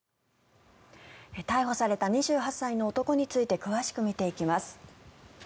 逮捕された２８歳の男について詳しく見ていきます。